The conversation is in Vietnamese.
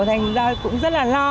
thành ra cũng rất là lo